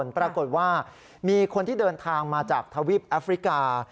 ปรากฏว่ามีคนที่เดินทางมาจากทวีปแอฟริกา